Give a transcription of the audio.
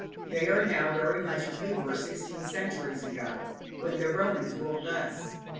They are now very much as we were sixteen centuries ago, when the Romans ruled us.